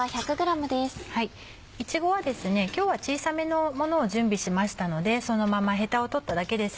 いちごは今日は小さめのものを準備しましたのでそのままヘタを取っただけです。